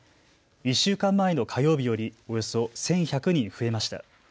１週間前の火曜日よりおよそ１１００人増えました。